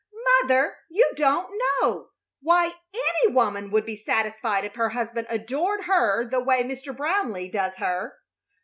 "Mother, you don't know! Why, any woman would be satisfied if her husband adored her the way Mr. Brownleigh does her."